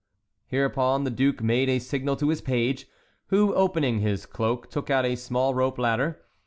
Hereupon the duke made a signal to his page, who, opening his cloak, took out a small rope ladder.